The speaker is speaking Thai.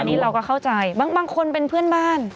อันนี้เราก็เข้าใจบางคนเป็นเพื่อนบ้าน